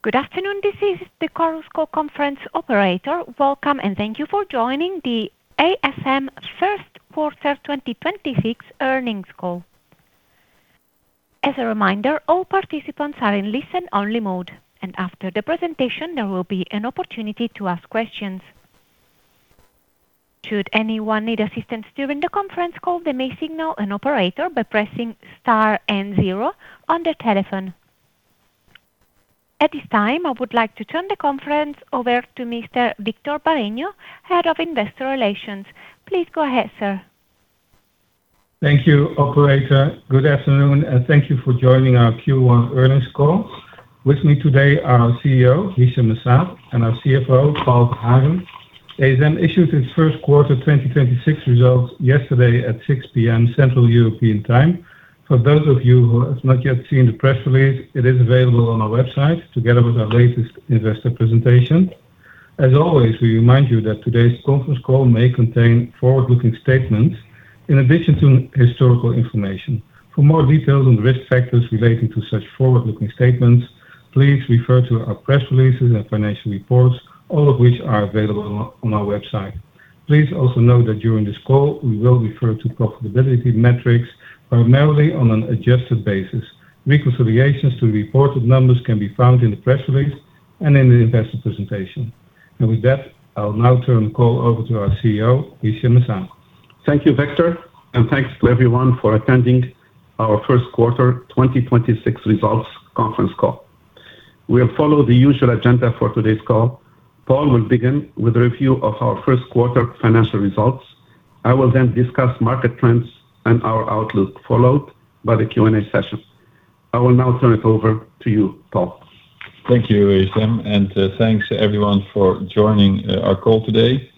Good afternoon. This is the Chorus Call conference operator. Welcome and thank you for joining the ASM first quarter 2026 earnings call. As a reminder, all participants are in listen-only mode, and after the presentation, there will be an opportunity to ask questions. Should anyone need assistance during the conference call, they may signal an operator by pressing star and zero on their telephone. At this time, I would like to turn the conference over to Mr. Victor Bareño, Head of Investor Relations. Please go ahead, sir. Thank you, operator. Good afternoon, and thank you for joining our Q1 earnings call. With me today are our CEO, Hichem M'Saad, and our CFO, Paul Verhagen. ASM issued its first quarter 2026 results yesterday at 6:00 P.M. Central European Time. For those of you who have not yet seen the press release, it is available on our website together with our latest investor presentation. As always, we remind you that today's conference call may contain forward-looking statements in addition to historical information. For more details on the risk factors relating to such forward-looking statements, please refer to our press releases and financial reports, all of which are available on our website. Please also note that during this call, we will refer to profitability metrics primarily on an adjusted basis. Reconciliation to reported numbers can be found in the press release and in the investor presentation. With that, I'll now turn the call over to our CEO, Hichem M'Saad. Thank you, Victor, and thanks to everyone for attending our first quarter 2026 results conference call. We'll follow the usual agenda for today's call. Paul will begin with a review of our first quarter financial results. I will then discuss market trends and our outlook, followed by the Q&A session. I will now turn it over to you, Paul. Thank you, Hichem, and thanks to everyone for joining our call today.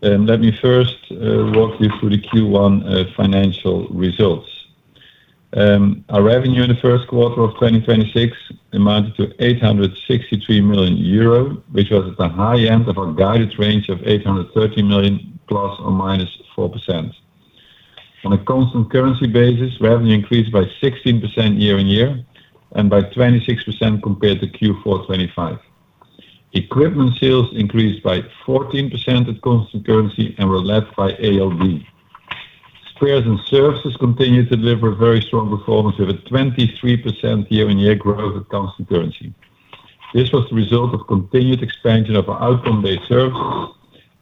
Let me first walk you through the Q1 financial results. Our revenue in the first quarter of 2026 amounted to 863 million euro, which was at the high end of our guided range of 830 million ±4%. On a constant currency basis, revenue increased by 16% year-on-year and by 26% compared to Q4 2025. Equipment sales increased by 14% at constant currency and were led by ALD. Spares and Services continued to deliver very strong performance with a 23% year-on-year growth at constant currency. This was the result of continued expansion of our outcome-based services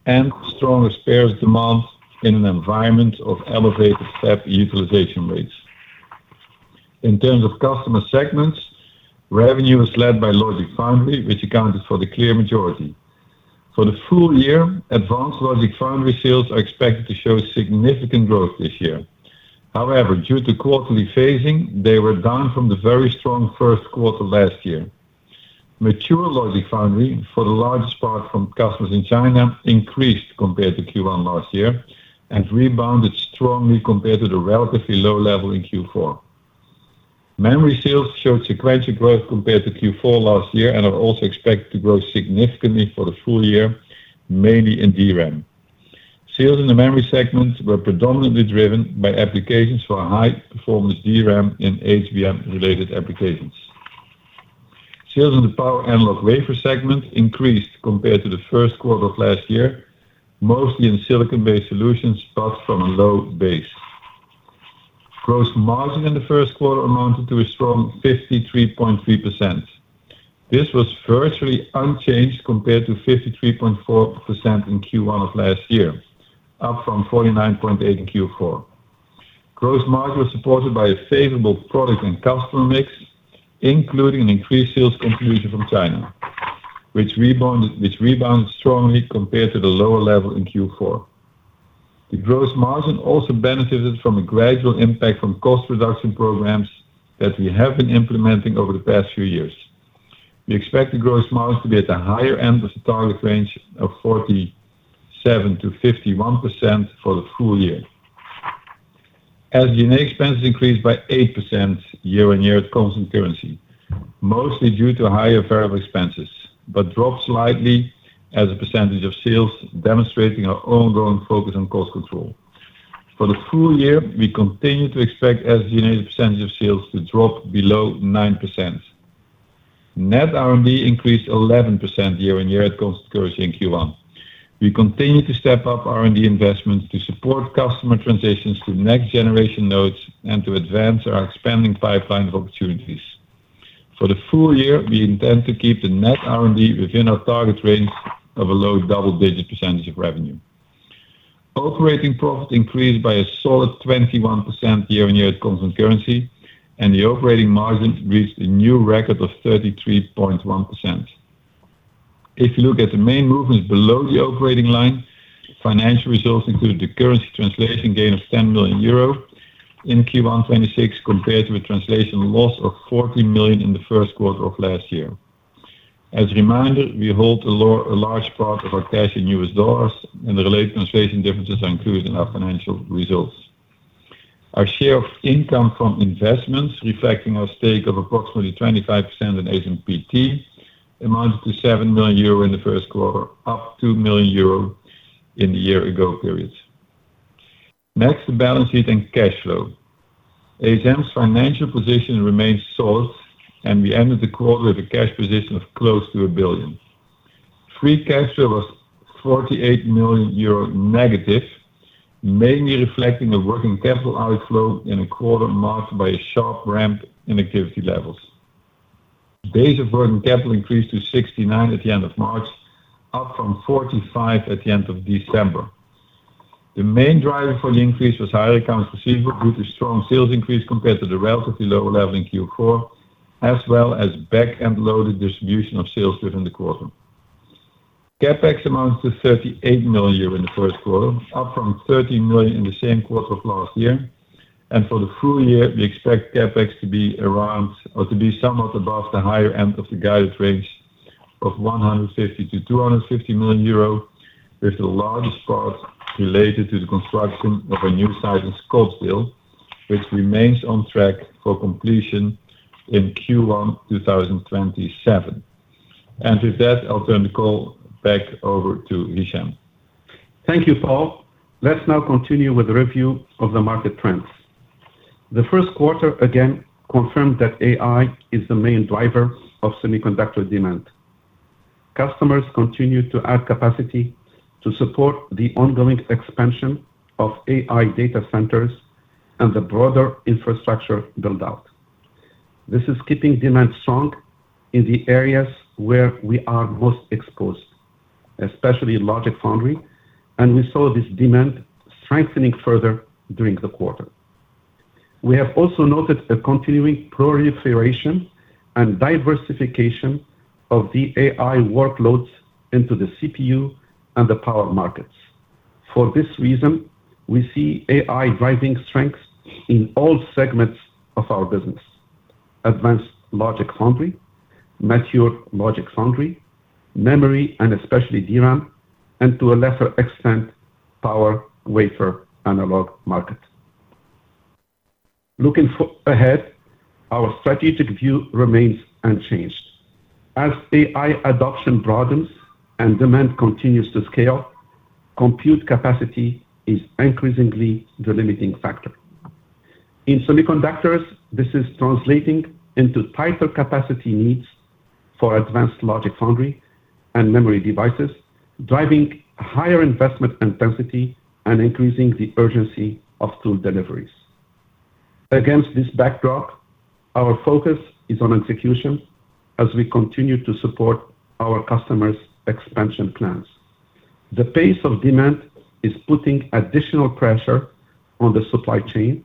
and stronger spares demand in an environment of elevated fab utilization rates. In terms of customer segments, revenue was led by Logic Foundry, which accounted for the clear majority. For the full year, advanced Logic Foundry sales are expected to show significant growth this year. However, due to quarterly phasing, they were down from the very strong first quarter last year. Mature Logic Foundry, for the largest part from customers in China, increased compared to Q1 last year and rebounded strongly compared to the relatively low level in Q4. Memory sales showed sequential growth compared to Q4 last year and are also expected to grow significantly for the full year, mainly in DRAM. Sales in the memory segment were predominantly driven by applications for high-performance DRAM in HBM-related applications. Sales in the Power/Analog/Wafer segment increased compared to the first quarter of last year, mostly in silicon-based solutions, but from a low base. Gross margin in the first quarter amounted to a strong 53.3%. This was virtually unchanged compared to 53.4% in Q1 of last year, up from 49.8% in Q4. Gross margin was supported by a favorable product and customer mix, including increased sales contribution from China, which rebounded strongly compared to the lower level in Q4. The gross margin also benefited from a gradual impact from cost reduction programs that we have been implementing over the past few years. We expect the gross margin to be at the higher end of the target range of 47%-51% for the full year. SG&A expenses increased by 8% year-on-year at constant currency, mostly due to higher variable expenses, but dropped slightly as a percentage of sales, demonstrating our ongoing focus on cost control. For the full year, we continue to expect SG&A percentage of sales to drop below 9%. Net R&D increased 11% year-on-year at constant currency in Q1. We continue to step up R&D investments to support customer transitions to next-generation nodes and to advance our expanding pipeline of opportunities. For the full year, we intend to keep the net R&D within our target range of a low double-digit percentage of revenue. Operating profit increased by a solid 21% year-on-year at constant currency, and the operating margin reached a new record of 33.1%. If you look at the main movements below the operating line, financial results included the currency translation gain of 10 million euro in Q1 2026 compared to a translation loss of 14 million in the first quarter of last year. As a reminder, we hold a large part of our cash in US dollars, and the related translation differences are included in our financial results. Our share of income from investments, reflecting our stake of approximately 25% in ASMPT, amounted to 7 million euro in the first quarter, up 2 million euro in the year-ago period. Next, the balance sheet and cash flow. ASM's financial position remains solid, and we ended the quarter with a cash position of close to 1 billion. Free cash flow was 48 million euro negative, mainly reflecting a working capital outflow in a quarter marked by a sharp ramp in activity levels. Days of working capital increased to 69 at the end of March, up from 45 at the end of December. The main driver for the increase was higher accounts receivable due to strong sales increase compared to the relatively lower level in Q4, as well as back-end loaded distribution of sales within the quarter. CapEx amounts to 38 million euro in the first quarter, up from 13 million in the same quarter of last year. For the full year, we expect CapEx to be around or to be somewhat above the higher end of the guided range of 150 million-250 million euro, with the largest part related to the construction of our new site in Scottsdale, which remains on track for completion in Q1 2027. With that, I'll turn the call back over to Hichem. Thank you, Paul. Let's now continue with the review of the market trends. The first quarter again confirmed that AI is the main driver of semiconductor demand. Customers continued to add capacity to support the ongoing expansion of AI data centers and the broader infrastructure build-out. This is keeping demand strong in the areas where we are most exposed, especially logic foundry, and we saw this demand strengthening further during the quarter. We have also noted a continuing proliferation and diversification of the AI workloads into the CPU and the power markets. For this reason, we see AI driving strength in all segments of our business. Advanced logic foundry, mature logic foundry, memory, and especially DRAM, and to a lesser extent, power/analog/wafer market. Looking ahead, our strategic view remains unchanged. As AI adoption broadens and demand continues to scale, compute capacity is increasingly the limiting factor. In semiconductors, this is translating into tighter capacity needs for advanced logic foundry and memory devices, driving higher investment intensity and increasing the urgency of tool deliveries. Against this backdrop, our focus is on execution as we continue to support our customers' expansion plans. The pace of demand is putting additional pressure on the supply chain,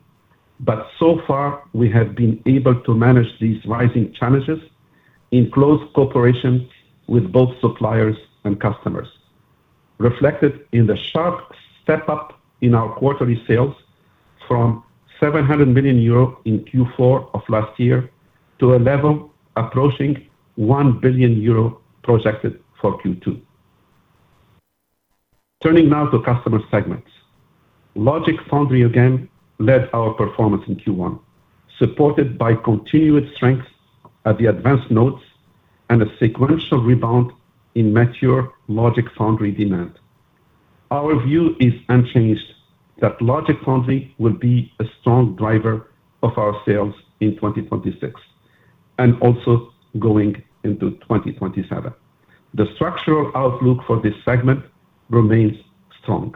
but so far, we have been able to manage these rising challenges in close cooperation with both suppliers and customers, reflected in the sharp step-up in our quarterly sales from 700 million euro in Q4 of last year to a level approaching 1 billion euro projected for Q2. Turning now to customer segments. Logic foundry again led our performance in Q1, supported by continued strength at the advanced nodes and a sequential rebound in mature logic foundry demand. Our view is unchanged that Logic Foundry will be a strong driver of our sales in 2026 and also going into 2027. The structural outlook for this segment remains strong.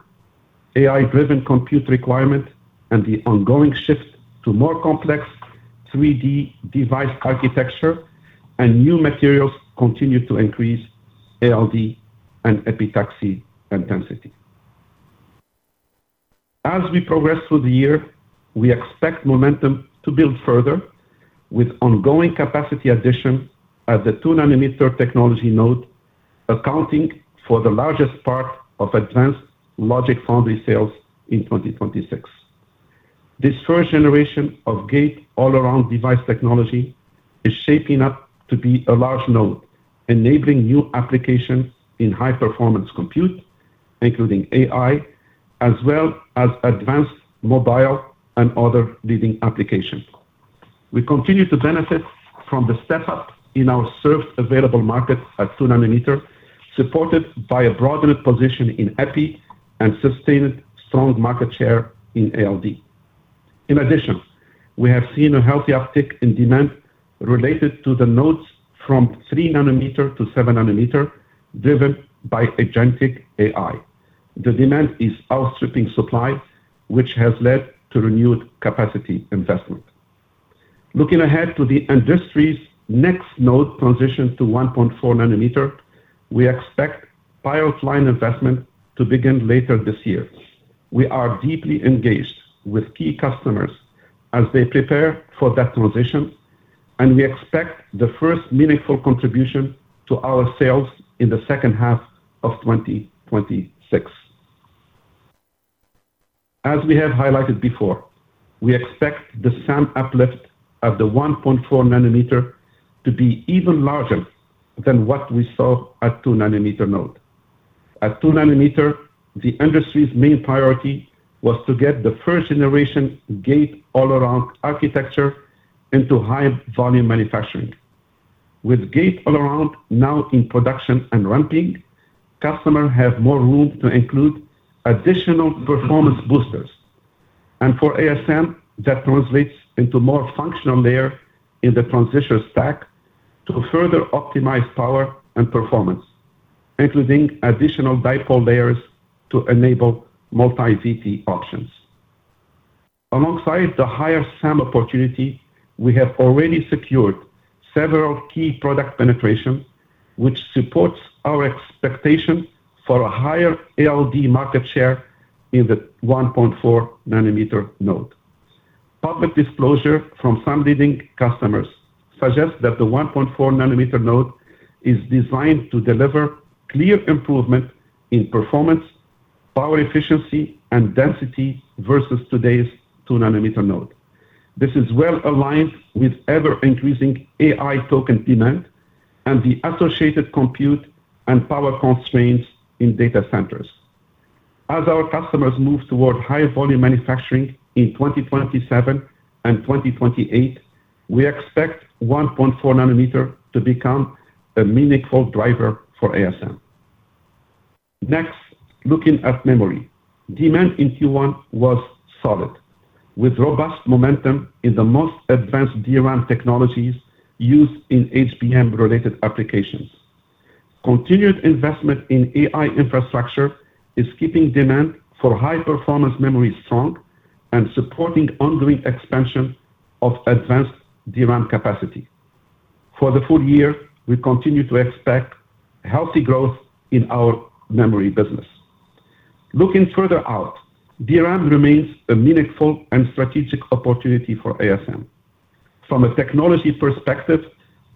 AI-driven compute requirement and the ongoing shift to more complex 3D device architecture and new materials continue to increase ALD and Epitaxy intensity. As we progress through the year, we expect momentum to build further with ongoing capacity addition at the 2 nm technology node, accounting for the largest part of advanced Logic Foundry sales in 2026. This first generation of Gate-All-Around device technology is shaping up to be a large node, enabling new applications in high-performance compute, including AI, as well as advanced mobile and other leading applications. We continue to benefit from the step-up in our served available market at 2 nm, supported by a broadened position in epi and sustained strong market share in ALD. In addition, we have seen a healthy uptick in demand related to the nodes from 3 nm to 7 nm, driven by Agentic AI. The demand is outstripping supply, which has led to renewed capacity investment. Looking ahead to the industry's next node transition to 1.4 nm, we expect pilot line investment to begin later this year. We are deeply engaged with key customers as they prepare for that transition, and we expect the first meaningful contribution to our sales in the second half of 2026. As we have highlighted before, we expect the SAM uplift of the 1.4 nm to be even larger than what we saw at 2 nm node. At 2 nm, the industry's main priority was to get the first-generation Gate-All-Around architecture into high-volume manufacturing. With Gate-All-Around now in production and ramping, customers have more room to include additional performance boosters. For ASM, that translates into more functional layers in the transistor stack to further optimize power and performance, including additional dipole layers to enable multi-VT options. Alongside the higher SAM opportunity, we have already secured several key product penetrations, which supports our expectation for a higher ALD market share in the 1.4 nm node. Public disclosure from some leading customers suggests that the 1.4 nm node is designed to deliver clear improvement in performance, power efficiency, and density versus today's 2 nm node. This is well-aligned with ever-increasing AI token demand and the associated compute and power constraints in data centers. As our customers move towards higher volume manufacturing in 2027 and 2028, we expect 1.4 nm to become a meaningful driver for ASM. Next, looking at memory. Demand in Q1 was solid, with robust momentum in the most advanced DRAM technologies used in HBM-related applications. Continued investment in AI infrastructure is keeping demand for high-performance memory strong and supporting ongoing expansion of advanced DRAM capacity. For the full year, we continue to expect healthy growth in our memory business. Looking further out, DRAM remains a meaningful and strategic opportunity for ASM. From a technology perspective,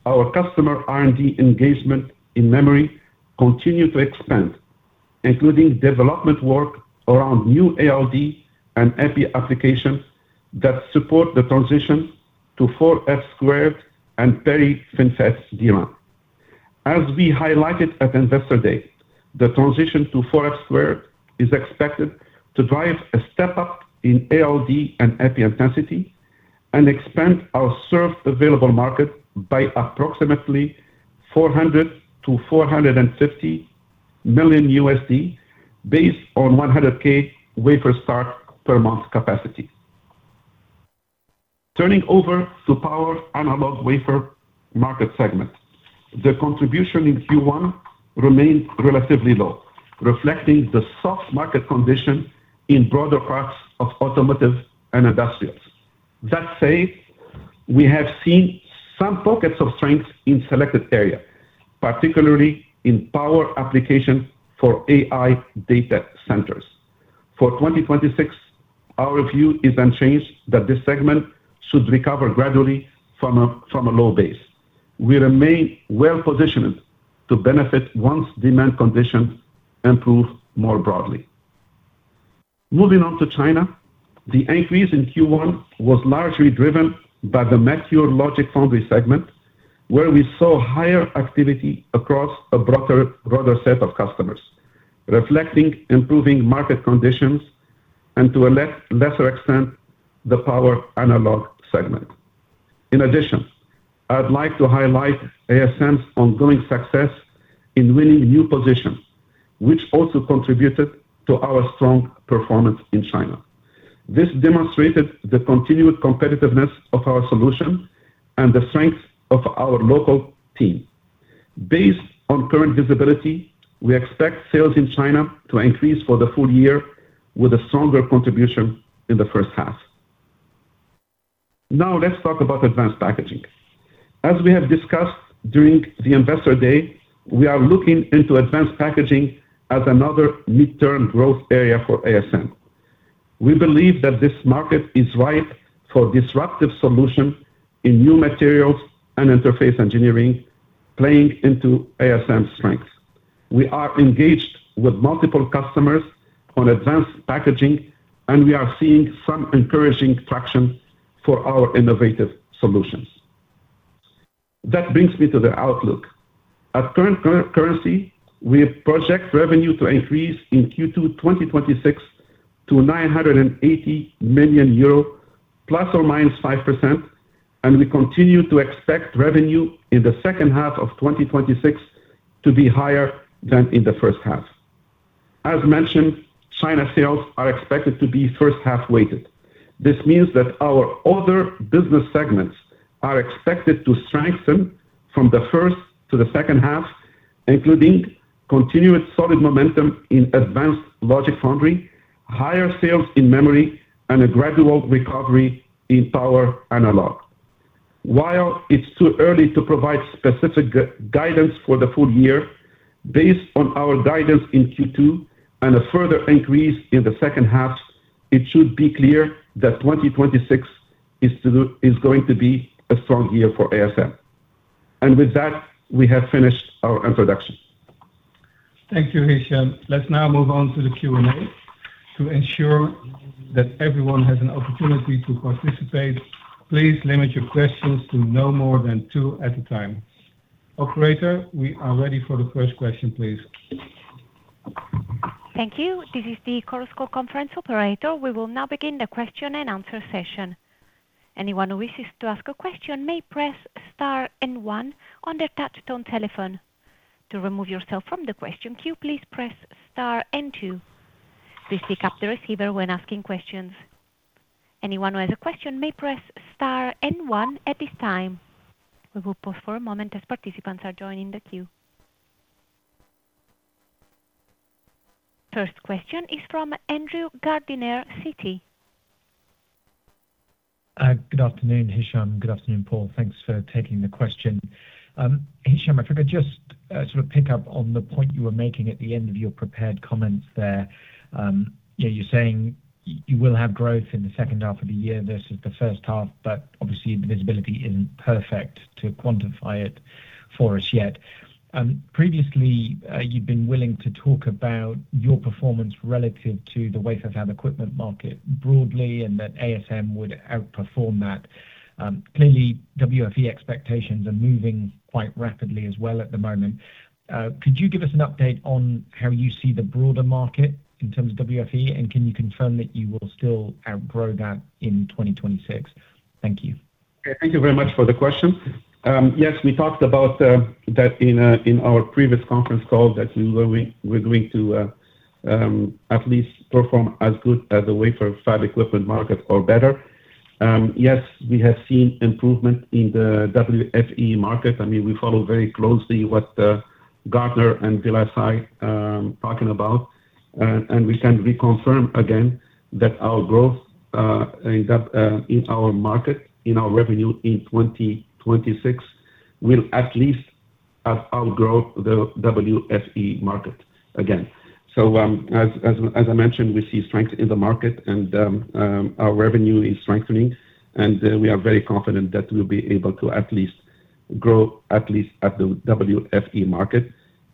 our customer R&D engagement in memory continue to expand, including development work around new ALD and EPI applications that support the transition to 4F² and very thin FeRAM. As we highlighted at Investor Day, the transition to 4F² is expected to drive a step-up in ALD and EPI intensity and expand our served available market by approximately $400 million-$450 million, based on 100K wafer start per month capacity. Turning over to power/analog/wafer market segment. The contribution in Q1 remained relatively low, reflecting the soft market condition in broader parts of automotive and industrials. That said, we have seen some pockets of strength in selected areas, particularly in power applications for AI data centers. For 2026, our view is unchanged that this segment should recover gradually from a low base. We remain well-positioned to benefit once demand conditions improve more broadly. Moving on to China. The increase in Q1 was largely driven by the mature logic foundry segment, where we saw higher activity across a broader set of customers, reflecting improving market conditions and to a lesser extent, the power analog segment. In addition, I would like to highlight ASM's ongoing success in winning new positions, which also contributed to our strong performance in China. This demonstrated the continued competitiveness of our solution and the strength of our local team. Based on current visibility, we expect sales in China to increase for the full year with a stronger contribution in the first half. Now, let's talk about Advanced packaging. As we have discussed during the Investor Day, we are looking into Advanced packaging as another midterm growth area for ASM. We believe that this market is ripe for disruptive solutions in new materials and interface engineering, playing into ASM's strengths. We are engaged with multiple customers on Advanced packaging, and we are seeing some encouraging traction for our innovative solutions. That brings me to the outlook. At current currency, we project revenue to increase in Q2 2026 to 980 million euro ±5%, and we continue to expect revenue in the second half of 2026 to be higher than in the first half. As mentioned, China sales are expected to be first half weighted. This means that our other business segments are expected to strengthen from the first to the second half, including continuous solid momentum in advanced logic foundry, higher sales in memory, and a gradual recovery in power analog. While it's too early to provide specific guidance for the full year, based on our guidance in Q2 and a further increase in the second half, it should be clear that 2026 is going to be a strong year for ASM. With that, we have finished our introduction. Thank you, Hichem. Let's now move on to the Q&A. To ensure that everyone has an opportunity to participate, please limit your questions to no more than two at a time. Operator, we are ready for the first question, please. Thank you. This is the Chorus Call conference operator. We will now begin the question and answer session. Anyone who wishes to ask a question may press star and 1 on their touch-tone telephone. To remove yourself from the question queue, please press star and 2. Please pick up the receiver when asking questions. Anyone who has a question may press star and 1 at this time. We will pause for a moment as participants are joining the queue. First question is from Andrew Gardiner, Citi. Good afternoon, Hichem. Good afternoon, Paul. Thanks for taking the question. Hichem, if I could just sort of pick up on the point you were making at the end of your prepared comments there. You're saying you will have growth in the second half of the year versus the first half, but obviously the visibility isn't perfect to quantify it for us yet. Previously, you've been willing to talk about your performance relative to the wafer fab equipment market broadly, and that ASM would outperform that. Clearly, WFE expectations are moving quite rapidly as well at the moment. Could you give us an update on how you see the broader market in terms of WFE, and can you confirm that you will still outgrow that in 2026? Thank you. Thank you very much for the question. Yes, we talked about that in our previous conference call that we're going to at least perform as good as the wafer fab equipment market or better. Yes, we have seen improvement in the WFE market. I mean, we follow very closely what Gartner and VLSI are talking about. We can reconfirm again that our growth in our market, in our revenue in 2026, will at least outgrow the WFE market again. As I mentioned, we see strength in the market and our revenue is strengthening, and we are very confident that we'll be able to at least grow at the WFE market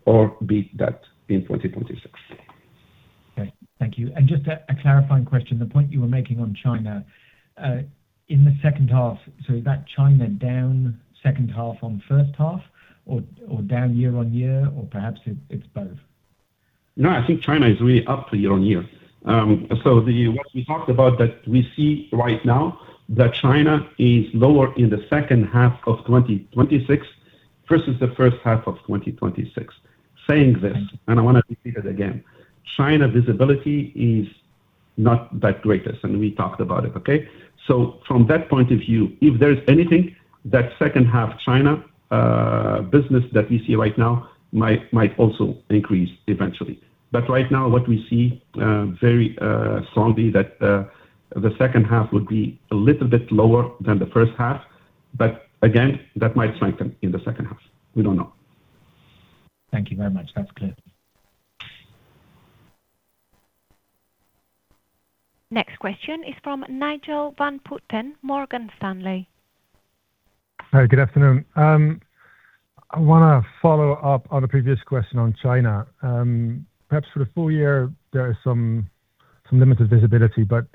or beat that in 2026. Okay, thank you. Just a clarifying question, the point you were making on China, in the second half. Is that China down second half on first half, or down year on year? Or perhaps it's both? No, I think China is really up year-over-year. What we talked about that we see right now, that China is lower in the second half of 2026 versus the first half of 2026. Saying this, and I want to repeat it again, China visibility is not the greatest, and we talked about it. Okay? From that point of view, if there's anything that second half China business that we see right now might also increase eventually. Right now what we see, very soundly, that the second half would be a little bit lower than the first half. Again, that might strengthen in the second half. We don't know. Thank you very much. That's clear. Next question is from Nigel van Putten, Morgan Stanley. Hi, good afternoon. I want to follow up on a previous question on China. Perhaps for the full year, there is some limited visibility, but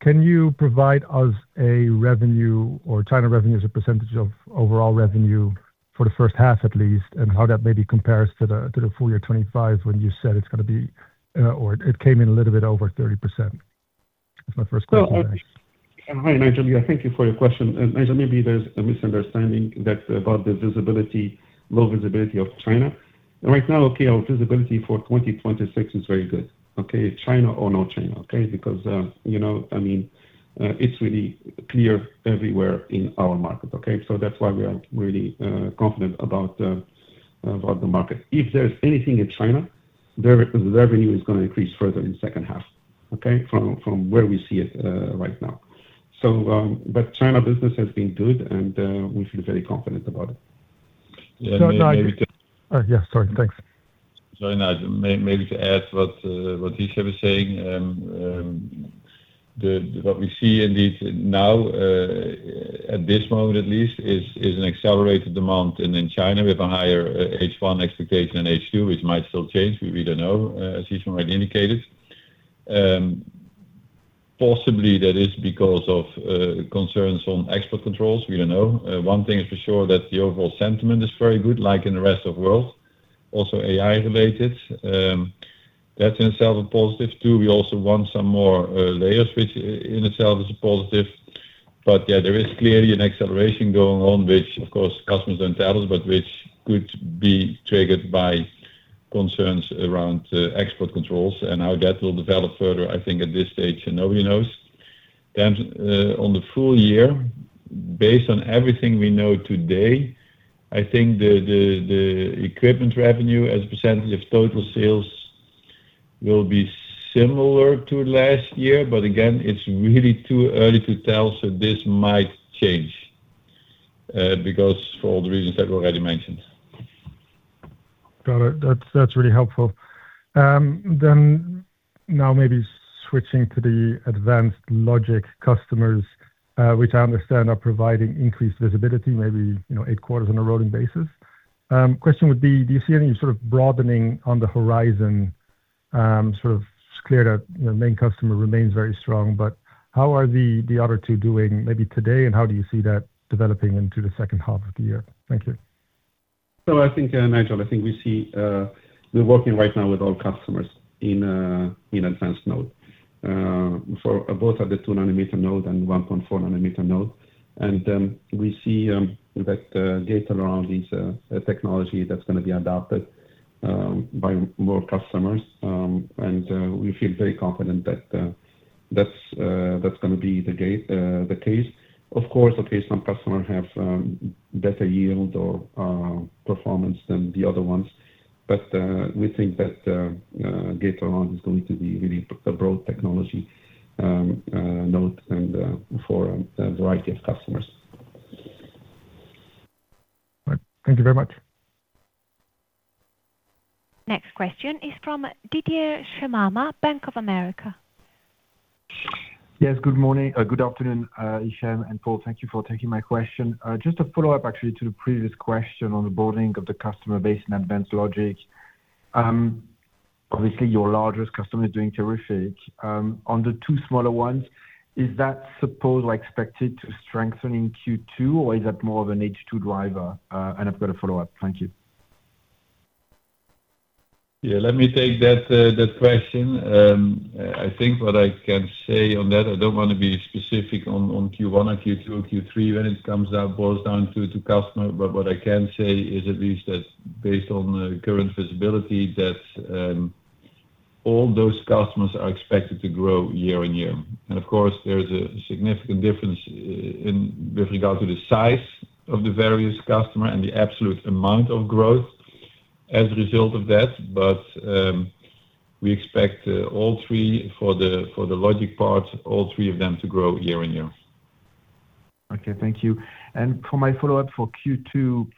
can you provide us a revenue or China revenue as a percentage of overall revenue for the first half at least, and how that maybe compares to the full year 2025 when you said it's going to be or it came in a little bit over 30%? That's my first question. Hi, Nigel. Yeah, thank you for your question. Nigel, maybe there's a misunderstanding that's about the visibility, low visibility of China. Right now, okay, our visibility for 2026 is very good. Okay. China or no China, okay? Because, I mean, it's really clear everywhere in our market. Okay, so that's why we are really confident about the market. If there's anything in China, the revenue is going to increase further in second half. Okay? From where we see it right now. China business has been good, and we feel very confident about it. Yeah. Sorry. Thanks. Sorry, Nigel. Maybe to add what Hichem is saying, what we see indeed now, at this moment at least, is an accelerated demand. In China, we have a higher H1 expectation than H2, which might still change. We don't know, as Hichem already indicated. Possibly that is because of concerns on export controls. We don't know. One thing is for sure, that the overall sentiment is very good, like in the rest of world. Also AI-related. That in itself a positive too. We also won some more layers, which in itself is a positive. Yeah, there is clearly an acceleration going on, which of course customers don't tell us, but which could be triggered by concerns around export controls and how that will develop further, I think at this stage, nobody knows. On the full year, based on everything we know today, I think the equipment revenue as a percentage of total sales will be similar to last year. Again, it's really too early to tell. This might change, because for all the reasons I've already mentioned. Got it. That's really helpful. Now maybe switching to the advanced logic customers, which I understand are providing increased visibility, maybe 8 quarters on a rolling basis. Question would be, do you see any sort of broadening on the horizon? Sort of clear that the main customer remains very strong, but how are the other two doing maybe today, and how do you see that developing into the second half of the year? Thank you. I think, Nigel, we're working right now with all customers in advanced node. For both the 2 nm node and 1.4 nm node. Then we see that Gate-All-Around is a technology that's going to be adopted by more customers. We feel very confident that's going to be the case. Of course, some customers have better yield or performance than the other ones. We think that Gate-All-Around is going to be really a broad technology node and for a variety of customers. Right. Thank you very much. Next question is from Didier Scemama, Bank of America. Yes, good morning. Good afternoon, Hichem and Paul. Thank you for taking my question. Just a follow-up, actually, to the previous question on the broadening of the customer base in advanced logic. Obviously, your largest customer is doing terrific. On the two smaller ones, is that supposed or expected to strengthen in Q2 or is that more of an H2 driver? I've got a follow-up. Thank you. Yeah, let me take that question. I think what I can say on that, I don't want to be specific on Q1 or Q2 or Q3. It boils down to customers, but what I can say is at least that based on the current visibility, that all those customers are expected to grow year-over-year. Of course, there is a significant difference with regard to the size of the various customers and the absolute amount of growth as a result of that. We expect all three for the logic part, all three of them to grow year-over-year. Okay. Thank you. For my follow-up for Q2,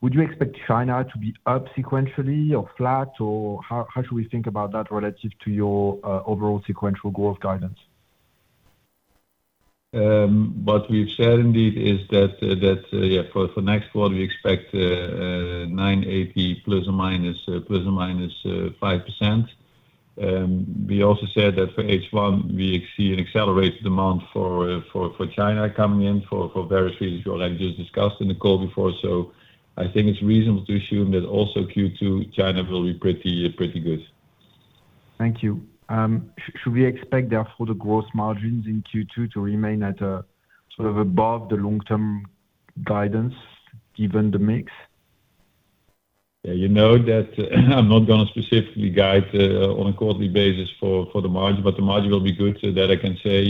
would you expect China to be up sequentially or flat, or how should we think about that relative to your overall sequential growth guidance? What we've said indeed is that for next quarter, we expect 980 ±5%. We also said that for H1 we see an accelerated demand for China coming in for various reasons you already just discussed in the call before. I think it's reasonable to assume that also Q2, China will be pretty good. Thank you. Should we expect therefore the growth margins in Q2 to remain at a sort of above the long-term guidance given the mix? Yeah. You know that I'm not going to specifically guide on a quarterly basis for the margin, but the margin will be good. That I can say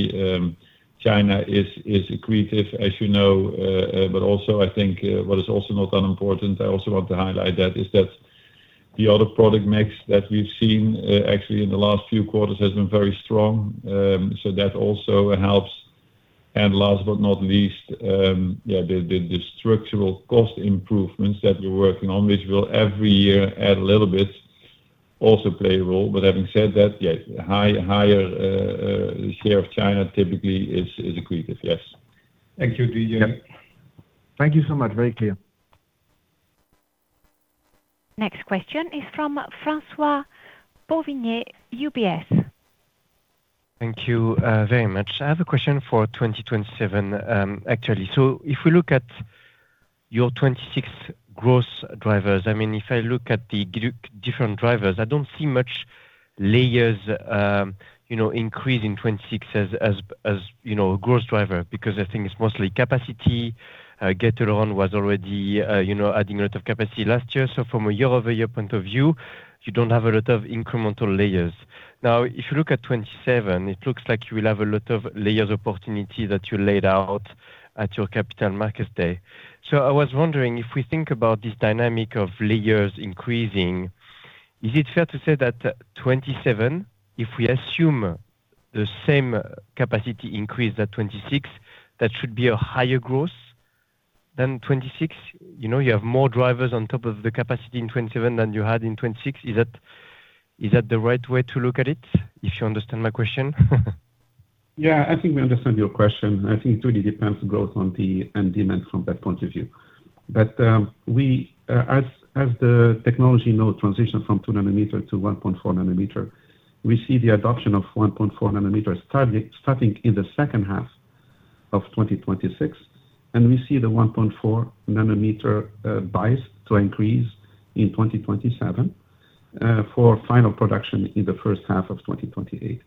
China is accretive, as you know. Also I think what is also not unimportant, I also want to highlight that, is that the other product mix that we've seen actually in the last few quarters has been very strong, so that also helps. Last but not least, the structural cost improvements that we're working on, which will every year add a little bit, also play a role. Having said that, yes, higher share of China typically is accretive. Yes. Thank you, Didier. Thank you so much. Very clear. Next question is from François Bouvignies, UBS. Thank you very much. I have a question for 2027. Actually, if we look at your 2026 growth drivers, if I look at the different drivers, I don't see much layers increasing 2026 as growth driver because I think it's mostly capacity. Gate-All-Around was already adding a lot of capacity last year. From a year-over-year point of view, you don't have a lot of incremental layers. Now, if you look at 2027, it looks like you will have a lot of layers opportunity that you laid out at your Capital Markets Day. I was wondering if we think about this dynamic of layers increasing, is it fair to say that 2027, if we assume the same capacity increase at 2026, that should be a higher growth than 2026? You have more drivers on top of the capacity in 2027 than you had in 2026. Is that the right way to look at it? If you understand my question. Yeah, I think we understand your question. I think it really depends on growth and demand from that point of view. As the technology node transitions from 2 nm to 1.4 nm, we see the adoption of 1.4 nm starting in the second half of 2026. We see the 1.4 nm buys to increase in 2027, for final production in the first half of 2028.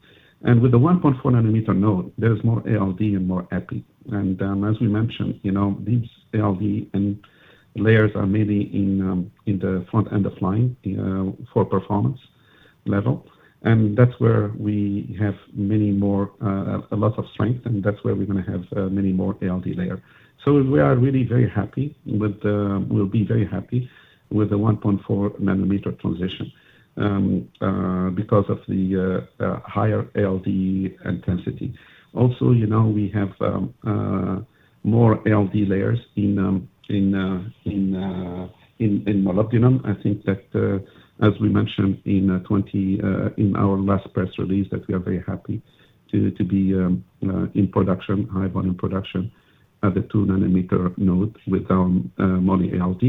With the 1.4 nm node, there is more ALD and more EPI. As we mentioned, these ALD and EPI layers are mainly in the front end of line for performance level. That's where we have a lot of strength, and that's where we're going to have many more ALD layers. We are really very happy with the 1.4 nm transition, because of the higher ALD intensity. Also, we have more ALD layers in molybdenum. I think that as we mentioned in our last press release, that we are very happy to be in high volume production at the 2 nm node with our moly ALD.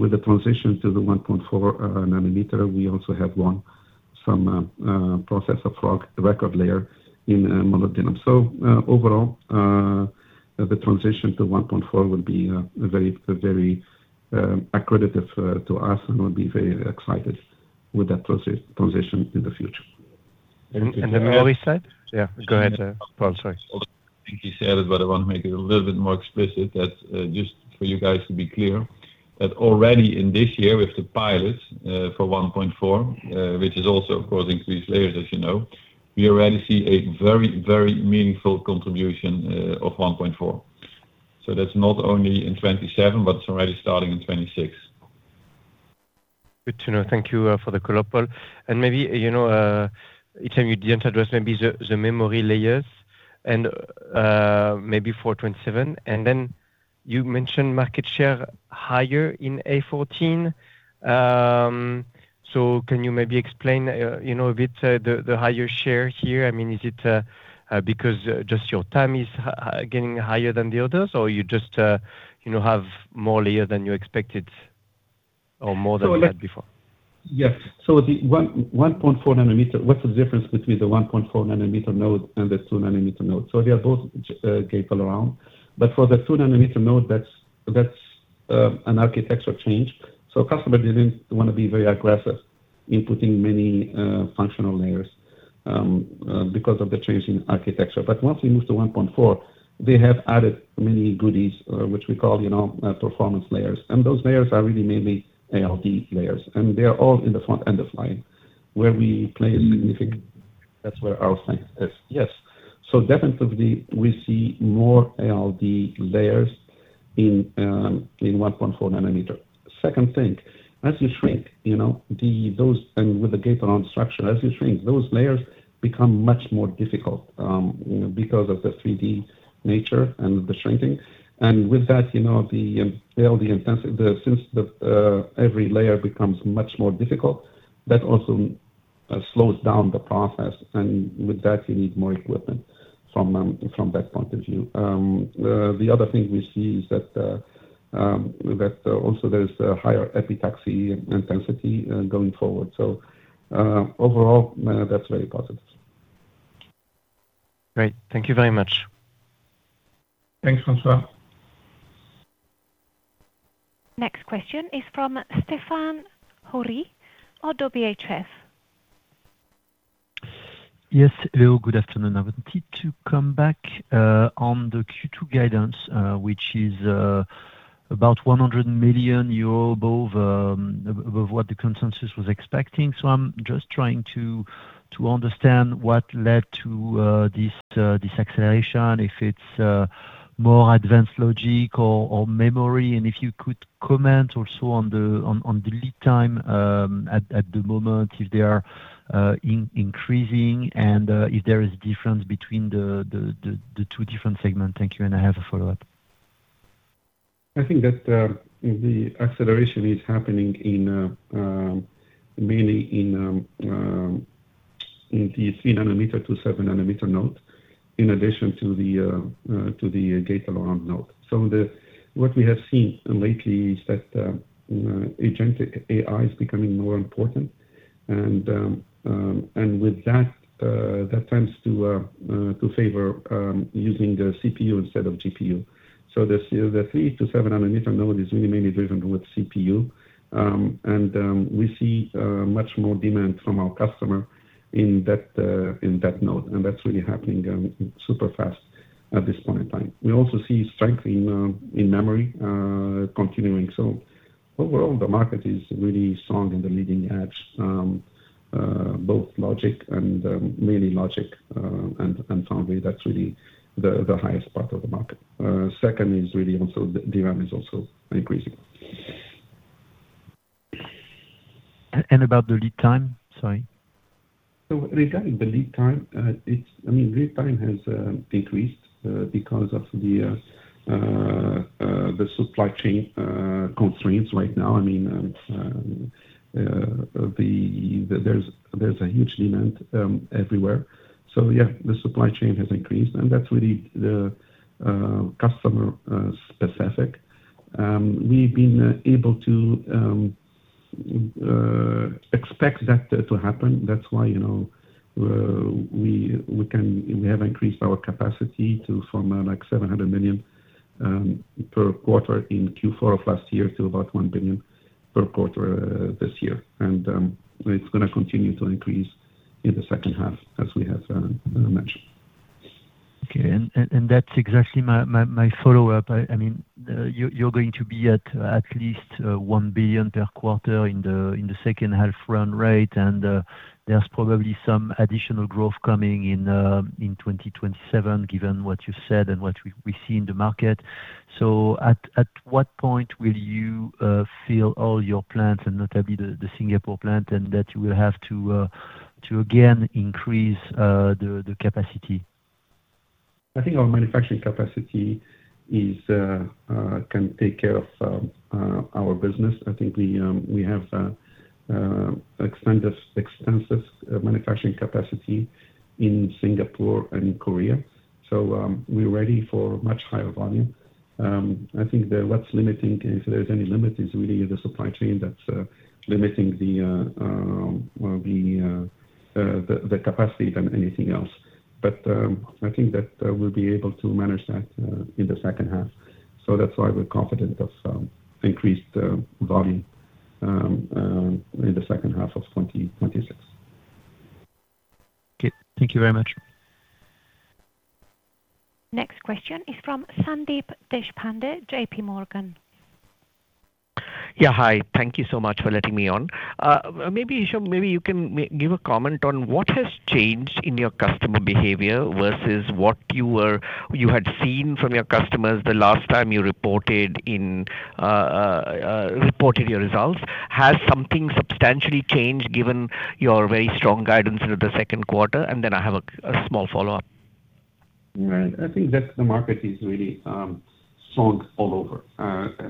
With the transition to the 1.4 nm, we also have one more process of record layer in molybdenum. Overall, the transition to 1.4 will be very accretive to us and we'll be very excited with that transition in the future. The memory side? Yeah, go ahead, Paul. Sorry. I think he said it, but I want to make it a little bit more explicit that just for you guys to be clear, that already in this year with the pilots for 1.4, which is also, of course, increased layers, as you know, we already see a very meaningful contribution of 1.4. That's not only in 2027, but it's already starting in 2026. Good to know. Thank you for the color, Paul. Maybe, Hichem, you didn't address maybe the memory layers and maybe for 2027, and then you mentioned market share higher in A14. Can you maybe explain a bit the higher share here? Is it because just your time is getting higher than the others or you just have more layer than you expected or more than you had before? Yes. What's the difference between the 1.4 nm node and the 2 nm node? They are both Gate-All-Around. For the 2 nm node, that's an architectural change. A customer didn't want to be very aggressive in putting many functional layers because of the change in architecture. Once we move to 1.4, they have added many goodies, which we call performance layers. Those layers are really mainly ALD layers. They are all in the front end of line where we play a significant. That's where our strength is. Yes. Definitely we see more ALD layers in 1.4 nm. Second thing, as you shrink, and with the Gate-All-Around structure, as you shrink, those layers become much more difficult because of the 3D nature and the shrinking. With that, since every layer becomes much more difficult, that also slows down the process. With that, you need more equipment from that point of view. The other thing we see is that also there is a higher epitaxy intensity going forward. Overall, that's very positive. Great. Thank you very much. Thanks, François. Next question is from Stéphane Houri of ODDO BHF. Yes. Hello, good afternoon. I wanted to come back on the Q2 guidance, which is about 100 million euro above what the consensus was expecting. I'm just trying to understand what led to this acceleration, if it's more advanced logic or memory, and if you could comment also on the lead time at the moment, if they are increasing and if there is difference between the two different segments. Thank you, and I have a follow-up. I think that the acceleration is happening mainly in the 3 nm to 7 nm node in addition to the Gate-All-Around node. What we have seen lately is that Agentic AI is becoming more important. With that tends to favor using the CPU instead of GPU. The 3- to 7 nm node is really mainly driven with CPU. We see much more demand from our customer in that node. That's really happening super fast at this point in time. We also see strength in memory continuing. Overall, the market is really strong in the leading edge both logic and mainly logic. Foundry, that's really the highest part of the market. Second is really also DRAM is also increasing. About the lead time? Sorry. Regarding the lead time, lead time has increased because of the supply chain constraints right now. There's a huge demand everywhere. Yeah, the supply chain has increased, and that's really customer specific. We've been expecting that to happen. That's why we have increased our capacity from like 700 million per quarter in Q4 of last year to about 1 billion per quarter this year. It's going to continue to increase in the second half as we have mentioned. Okay. That's exactly my follow-up. You're going to be at least 1 billion per quarter in the second half run rate, and there's probably some additional growth coming in 2027, given what you said and what we see in the market. At what point will you fill all your plants and notably the Singapore plant, and that you will have to again increase the capacity? I think our manufacturing capacity can take care of our business. I think we have extensive manufacturing capacity in Singapore and in Korea, so we're ready for much higher volume. I think that what's limiting, if there's any limit, is really the supply chain that's limiting the capacity than anything else. I think that we'll be able to manage that in the second half. That's why we're confident of increased volume in the second half of 2026. Okay. Thank you very much. Next question is from Sandeep Deshpande, JPMorgan. Yeah. Hi. Thank you so much for letting me on. Maybe you can give a comment on what has changed in your customer behavior versus what you had seen from your customers the last time you reported your results. Has something substantially changed given your very strong guidance into the second quarter? I have a small follow-up. Right. I think that the market is really strong all over.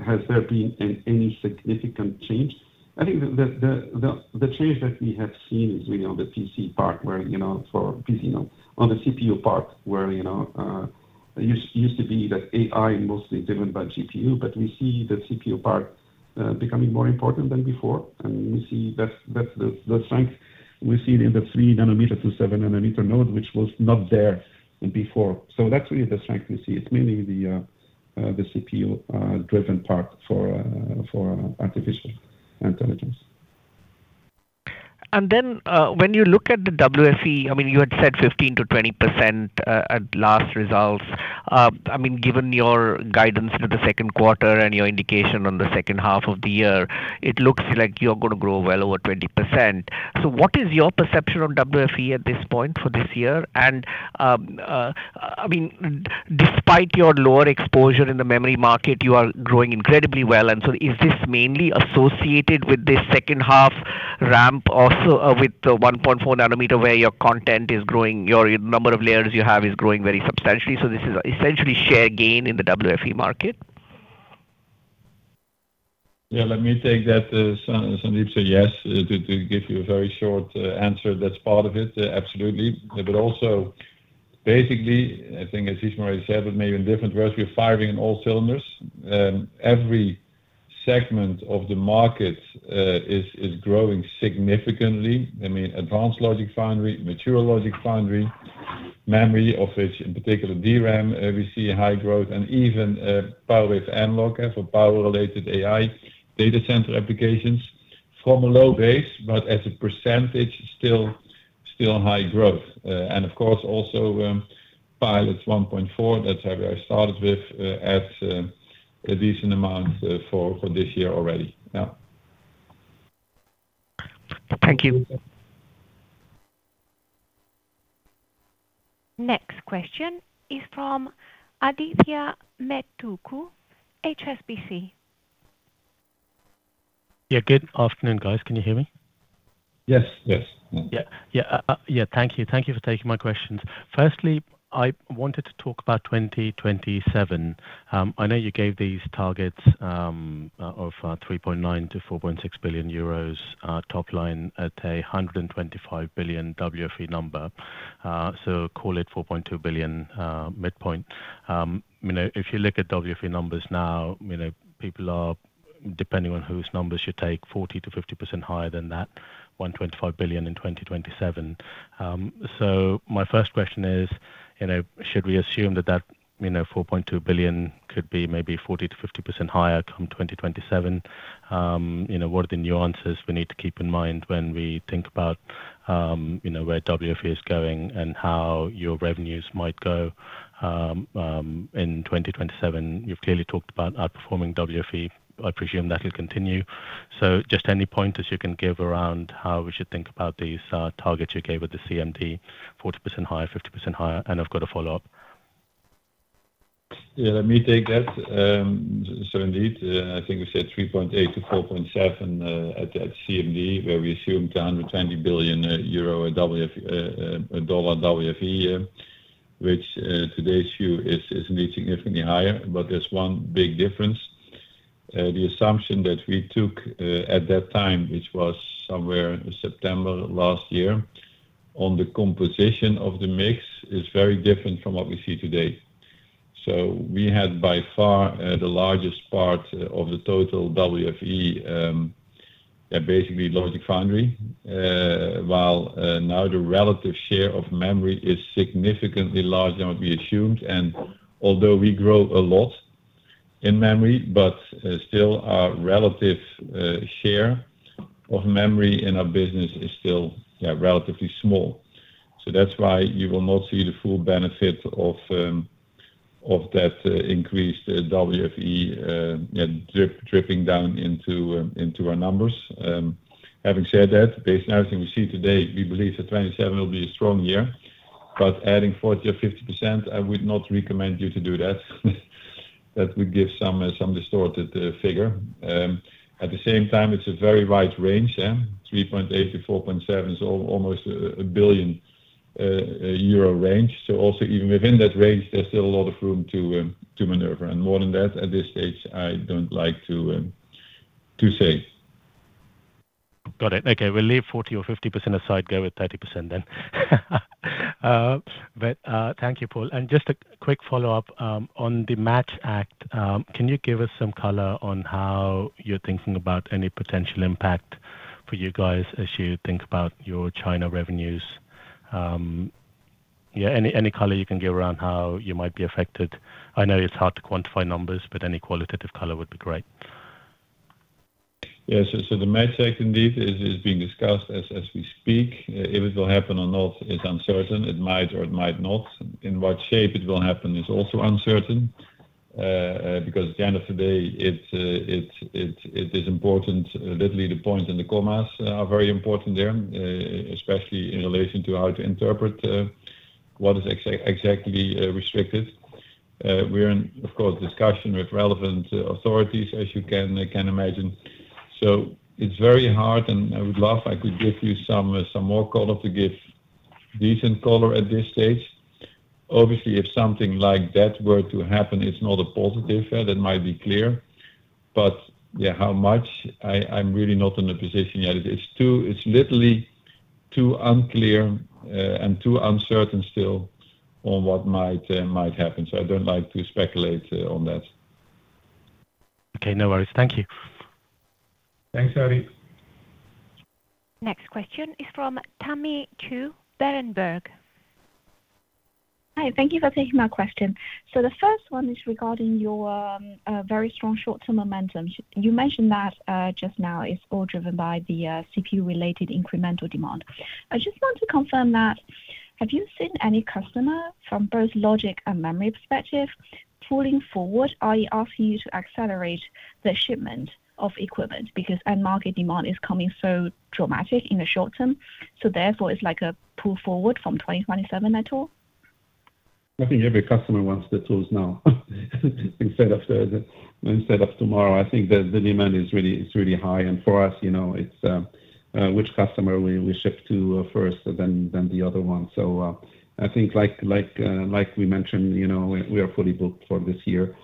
Has there been any significant change? I think the change that we have seen is really on the PC part, where for PC, on the CPU part where it used to be that AI mostly driven by GPU, but we see the CPU part becoming more important than before, and we see that the strength we see in the 3 nm to 7 nm node, which was not there before. That's really the strength we see. It's mainly the CPU-driven part for artificial intelligence. Then, when you look at the WFE, you had said 15%-20% at last results. Given your guidance for the second quarter and your indication on the second half of the year, it looks like you're going to grow well over 20%. What is your perception of WFE at this point for this year? Despite your lower exposure in the memory market, you are growing incredibly well. Is this mainly associated with this second half ramp also, with the 1.4 nm where your content is growing, your number of layers you have is growing very substantially, so this is essentially share gain in the WFE market? Yeah, let me take that, Sandeep. Yes, to give you a very short answer, that's part of it, absolutely. Also basically, I think as Hichem already said, but maybe in different words, we are firing on all cylinders. Every segment of the market is growing significantly. Advanced logic foundry, mature logic foundry, memory, of which in particular DRAM, we see high growth and even power with analog for power-related AI data center applications from a low base, but as a percentage, still high growth. Of course, also plus 1.4, that's where I started with at a decent amount for this year already. Yeah. Thank you. Next question is from Adithya Metuku, HSBC. Yeah. Good afternoon, guys. Can you hear me? Yes, please. Yeah. Thank you. Thank you for taking my questions. First, I wanted to talk about 2027. I know you gave these targets of 3.9 billion-4.6 billion euros top line at $125 billion WFE number. So call it 4.2 billion midpoint. If you look at WFE numbers now, people are depending on whose numbers you take, 40%-50% higher than that $125 billion in 2027. So my first question is, should we assume that that 4.2 billion could be maybe 40%-50% higher come 2027? What are the nuances we need to keep in mind when we think about where WFE is going and how your revenues might go in 2027? You've clearly talked about outperforming WFE. I presume that will continue. So just any pointers you can give around how we should think about these targets you gave at the CMD, 40% higher, 50% higher. I've got a follow-up. Yeah, let me take that. Indeed, I think we said 3.8%-4.7% at CMD, where we assumed $120 billion WFE, which today's view is indeed significantly higher. There's one big difference. The assumption that we took at that time, which was somewhere in September last year, on the composition of the mix, is very different from what we see today. We had by far the largest part of the total WFE, basically logic foundry. While now the relative share of memory is significantly larger than what we assumed, and although we grow a lot in memory, but still our relative share of memory in our business is still relatively small. That's why you will not see the full benefit of that increased WFE dripping down into our numbers. Having said that, based on everything we see today, we believe that 2027 will be a strong year, but adding 40% or 50%, I would not recommend you to do that. That would give some distorted figure. At the same time, it's a very wide range, yeah? 3.8 billion-4.7 billion is almost a 1 billion euro range. Also even within that range, there's still a lot of room to maneuver. More than that, at this stage, I don't like to say. Got it. Okay, we'll leave 40% or 50% aside, go with 30% then. Thank you, Paul. Just a quick follow-up on the MATCH Act, can you give us some color on how you're thinking about any potential impact for you guys as you think about your China revenues? Any color you can give around how you might be affected. I know it's hard to quantify numbers, but any qualitative color would be great. Yes. The MATCH Act indeed is being discussed as we speak. If it will happen or not is uncertain. It might or it might not. In what shape it will happen is also uncertain, because at the end of the day, it is important, literally the points and the commas are very important there, especially in relation to how to interpret what is exactly restricted. We are in discussion, of course, with relevant authorities, as you can imagine. It's very hard, and I would love, I could give you some more color to give decent color at this stage. Obviously, if something like that were to happen, it's not a positive. That might be clear. Yeah, how much? I'm really not in a position yet. It's literally too unclear, and too uncertain still on what might happen. I don't like to speculate on that. Okay, no worries. Thank you. Thanks, Adit. Next question is from Tammy Qiu, Berenberg. Hi, thank you for taking my question. The first one is regarding your very strong short-term momentum. You mentioned that just now it's all driven by the CPU-related incremental demand. I just want to confirm that, have you seen any customer from both logic and memory perspective pulling forward, i.e., asking you to accelerate the shipment of equipment because end market demand is coming so dramatic in the short term, so therefore it's like a pull forward from 2027 at all? I think every customer wants the tools now instead of tomorrow. I think the demand is really high. For us, it's which customer we ship to first, then the other one. I think like we mentioned, we are fully booked for this year.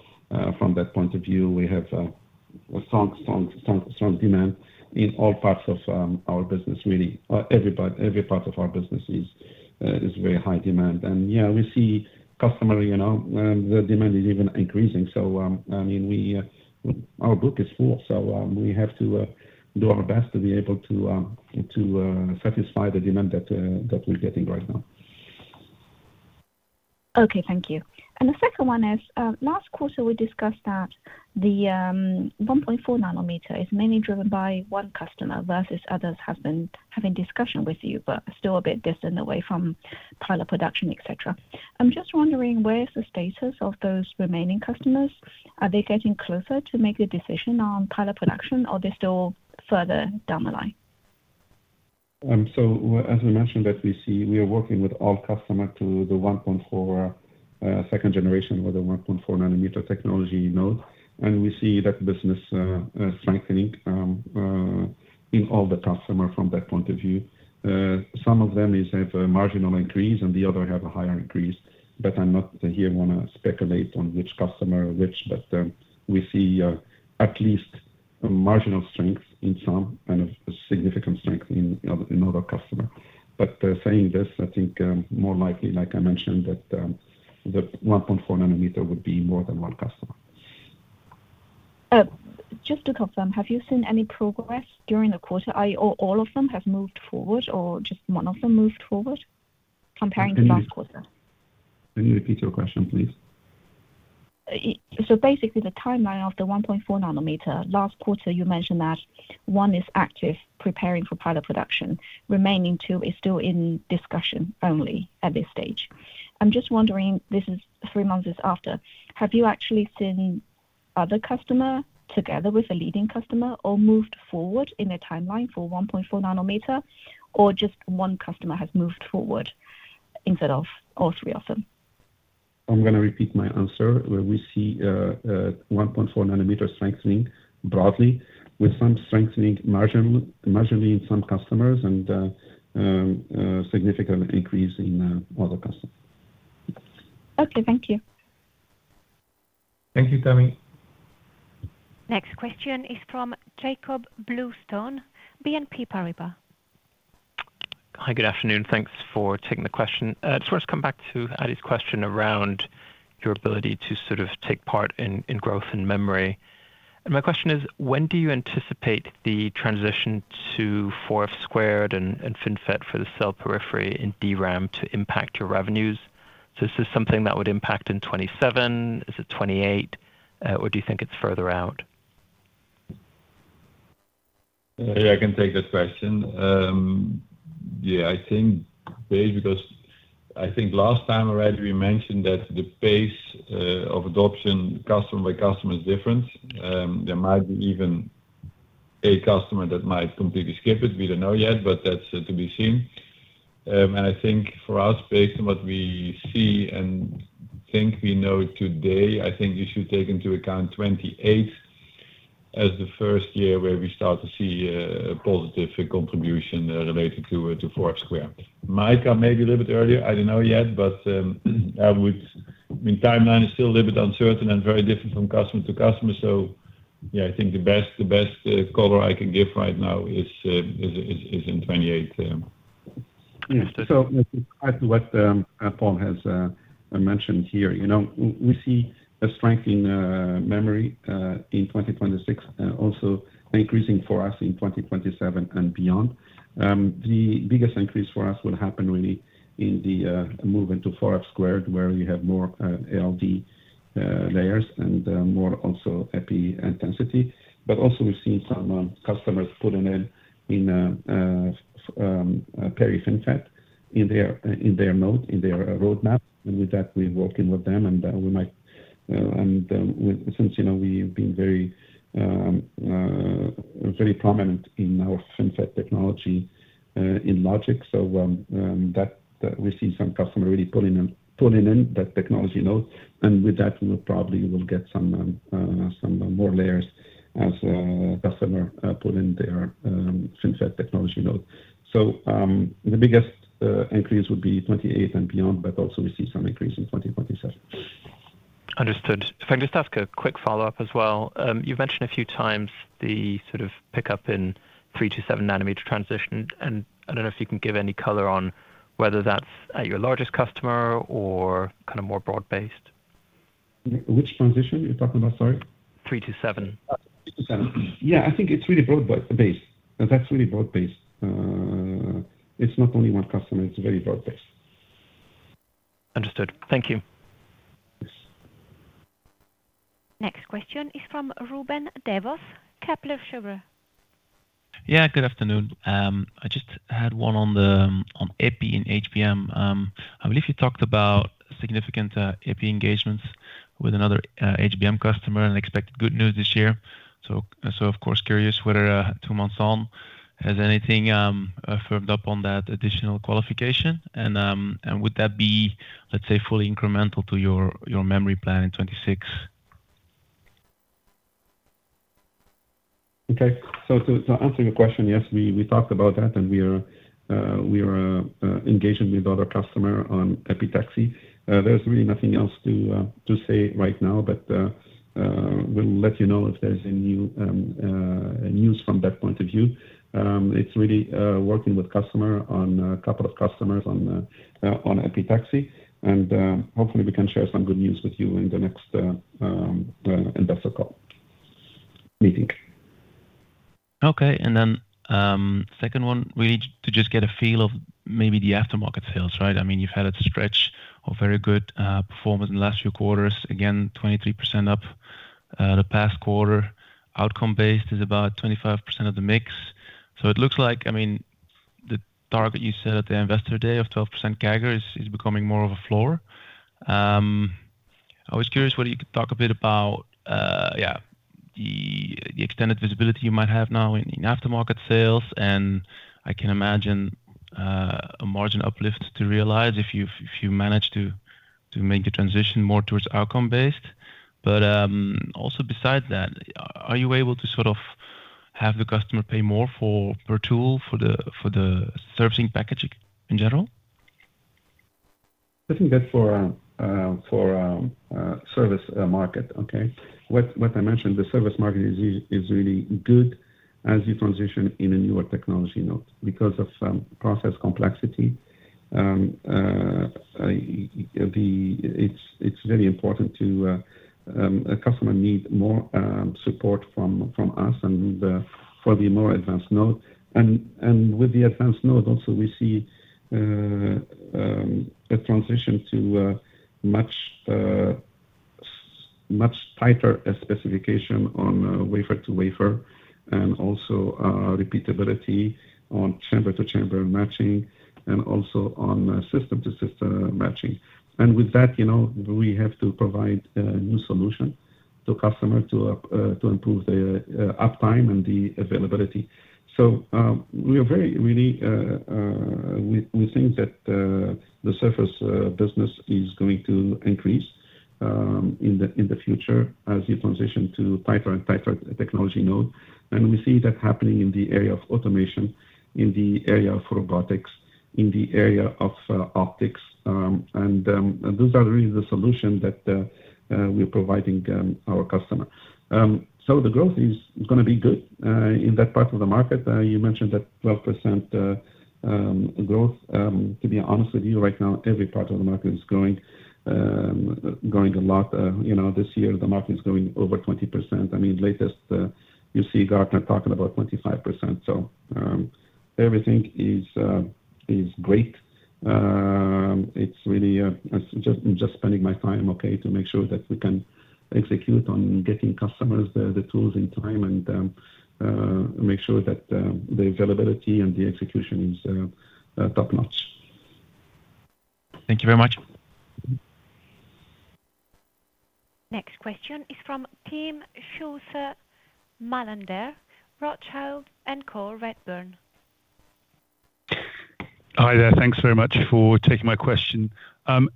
From that point of view, we have a strong demand in all parts of our business, really. Every part of our business is very high demand. Yeah, we see customer demand is even increasing. Our book is full, so we have to do our best to be able to satisfy the demand that we're getting right now. Okay, thank you. The second one is, last quarter we discussed that the 1.4 nm is mainly driven by one customer versus others having discussion with you, but still a bit distant away from pilot production, et cetera. I'm just wondering where is the status of those remaining customers? Are they getting closer to make a decision on pilot production or they're still further down the line? As we mentioned that we are working with all customers to the 1.4 second generation or the 1.4 nm technology node, and we see that business strengthening in all the customers from that point of view. Some of them have a marginal increase and the others have a higher increase, but I don't want to speculate on which customer which, but we see at least a marginal strength in some and a significant strength in other customers. Saying this, I think more likely, like I mentioned, that the 1.4 nm would be more than one customer. Just to confirm, have you seen any progress during the quarter? All of them have moved forward or just one of them moved forward comparing to last quarter? Can you repeat your question, please? Basically, the timeline of the 1.4 nm, last quarter you mentioned that one is active preparing for pilot production, remaining two is still in discussion only at this stage. I'm just wondering, this is three months after, have you actually seen other customer together with a leading customer all moved forward in their timeline for 1.4 nm or just one customer has moved forward instead of all three of them? I'm going to repeat my answer. We see 1.4 nm strengthening broadly with some strengthening marginally in some customers and a significant increase in other customers. Okay, thank you. Thank you, Tammy. Next question is from Jakob Bluestone, BNP Paribas. Hi, good afternoon. Thanks for taking the question. Just want to come back to Adithya's question around your ability to sort of take part in growth in memory. My question is, when do you anticipate the transition to 4F² and FinFET for the cell periphery in DRAM to impact your revenues? Is this something that would impact in 2027? Is it 2028? Or do you think it's further out? Yeah, I can take that question. Yeah, I think basically because I think last time already we mentioned that the pace of adoption customer by customer is different. There might be even a customer that might completely skip it. We don't know yet, but that's to be seen. I think for us, based on what we see and think we know today, I think you should take into account 2028 as the first year where we start to see a positive contribution related to 4F². Might come maybe a little bit earlier, I don't know yet, but I would I mean, timeline is still a little bit uncertain and very different from customer to customer. Yeah, I think the best color I can give right now is in 28. Yes. As to what Paul has mentioned here. We see a strength in memory, in 2026, also increasing for us in 2027 and beyond. The biggest increase for us will happen really in the movement to 4F², where we have more ALD layers and also more EPI intensity. Also we're seeing some customers putting in a peri-FinFET in their DRAM, in their roadmap. With that, we're working with them, and since we've been very prominent in our FinFET technology in logic, so we see some customers really pulling in that technology node. With that, we probably will get some more layers as customers put in their FinFET technology node. The biggest increase would be 2028 and beyond, but also we see some increase in 2027. Understood. If I can just ask a quick follow-up as well. You've mentioned a few times the sort of pickup in 3 to 7 nm transition, and I don't know if you can give any color on whether that's at your largest customer or kind of more broad-based. Which transition you're talking about, sorry? 3 to 7 nm. Yeah, I think it's really broad-based. That's really broad-based. It's not only one customer, it's very broad-based. Understood. Thank you. Yes. Next question is from Ruben Devos, Kepler Cheuvreux. Yeah, good afternoon. I just had one on EPI and HBM. I believe you talked about significant EPI engagements with another HBM customer and expect good news this year. Of course, curious whether two months on, has anything firmed up on that additional qualification? Would that be, let's say, fully incremental to your memory plan in 2026? Okay. Answering your question, yes, we talked about that and we are engaging with other customer on epitaxy. There's really nothing else to say right now, but we'll let you know if there's any news from that point of view. It's really working with customer on a couple of customers on epitaxy, and hopefully we can share some good news with you in the next investor call meeting. Okay. Second one, really to just get a feel of maybe the aftermarket sales, right? I mean, you've had a stretch of very good performance in the last few quarters. Again, 23% up the past quarter. Outcome-based is about 25% of the mix. So it looks like, I mean, the target you set at the investor day of 12% CAGR is becoming more of a floor. I was curious whether you could talk a bit about, yeah, the extended visibility you might have now in aftermarket sales, and I can imagine a margin uplift to realize if you manage to make the transition more towards outcome-based. Also besides that, are you able to sort of have the customer pay more per tool for the servicing package in general? I think that's for services market. Okay. What I mentioned, the services market is really good as you transition in a newer technology node. Because of process complexity, it's very important. Customers need more support from us and for the more advanced node. With the advanced node also, we see a transition to much tighter specification on wafer to wafer and also repeatability on chamber-to-chamber matching and also on system-to-system matching. With that, we have to provide a new solution to customers to improve their uptime and the availability. We think that the services business is going to increase in the future as you transition to tighter and tighter technology node. We see that happening in the area of automation, in the area of robotics, in the area of optics. Those are really the solution that we're providing our customers. The growth is going to be good in that part of the market. You mentioned that 12% growth. To be honest with you, right now, every part of the market is growing a lot. This year the market is growing over 20%. I mean, latest, you see Gartner talking about 25%. Everything is great. I'm just spending my time, okay, to make sure that we can execute on getting customers the tools in time and make sure that the availability and the execution is top-notch. Thank you very much. Next question is from Timm Schulze-Melander, Rothschild & Co Redburn. Hi there. Thanks very much for taking my question. First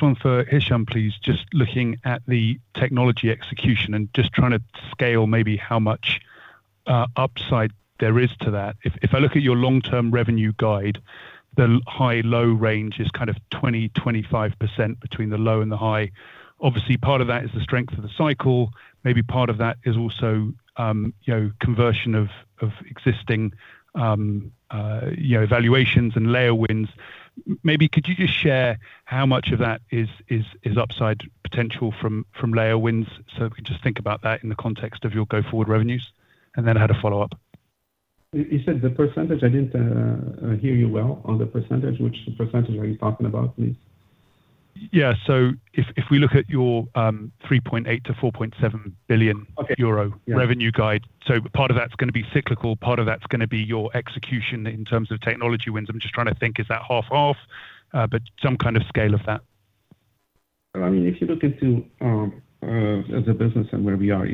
one for Hichem, please. Just looking at the technology execution and just trying to scale maybe how much upside there is to that. If I look at your long-term revenue guide, the high-low range is 20%-25% between the low and the high. Obviously, part of that is the strength of the cycle, maybe part of that is also conversion of existing evaluations and layer wins. Maybe could you just share how much of that is upside potential from layer wins, so we can just think about that in the context of your go-forward revenues? I had a follow-up. You said the percentage, I didn't hear you well on the percentage. Which percentage are you talking about, please? Yeah. If we look at your 3.8 billion-4.7 billion euro- Okay revenue guide. Part of that's going to be cyclical, part of that's going to be your execution in terms of technology wins. I'm just trying to think, is that half? Some kind of scale of that. If you look into ASM as a business and where we are.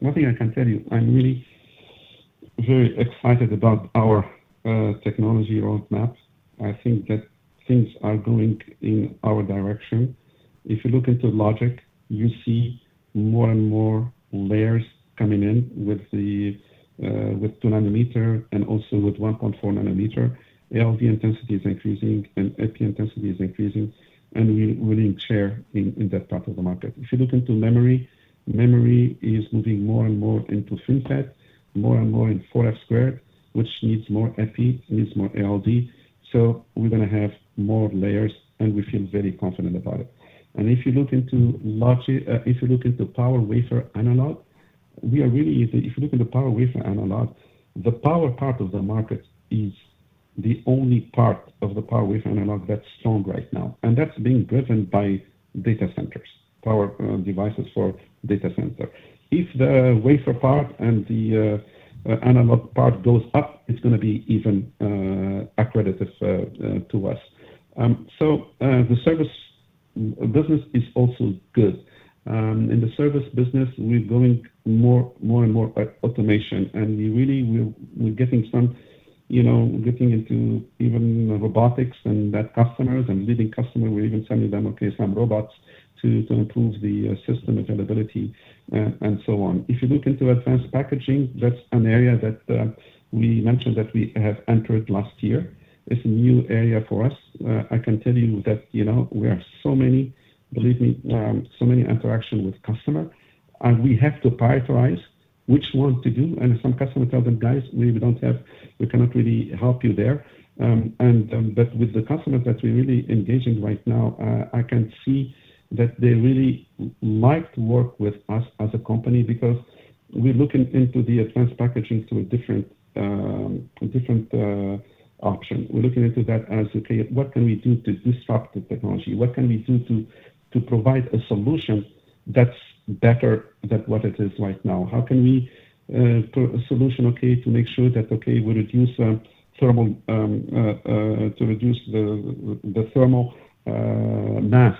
One thing I can tell you, I'm really very excited about our technology road maps. I think that things are going in our direction. If you look into logic, you see more and more layers coming in with 2 nm and also with 1.4 nm. ALD intensity is increasing and EPI intensity is increasing, and we're leading share in that part of the market. If you look into memory is moving more and more into FinFET, more and more in 4F², which needs more EPI, needs more ALD. We're going to have more layers, and we feel very confident about it. If you look into power wafer analog, the power part of the market is the only part of the power wafer analog that's strong right now. That's being driven by data centers, power devices for data center. If the wafer part and the analog part goes up, it's going to be even accretive to us. The service business is also good. In the service business, we're going more and more automation, and we're really getting into even robotics and that customers and leading customer, we're even sending them okay, some robots to improve the system availability, and so on. If you look into advanced packaging, that's an area that we mentioned that we have entered last year. It's a new area for us. I can tell you that we have so many, believe me, so many interactions with customers, and we have to prioritize which one to do. Some customers tell them, "Guys, we cannot really help you there." With the customers that we're really engaging right now, I can see that they really like to work with us as a company because we're looking into the advanced packaging to a different option. We're looking into that as, okay, what can we do to disrupt the technology? What can we do to provide a solution that's better than what it is right now? How can we put a solution okay, to make sure that, okay, we reduce the thermal mass